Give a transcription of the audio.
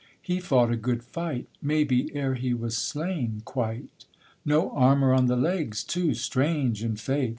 He fought A good fight, maybe, ere he was slain quite. No armour on the legs too; strange in faith!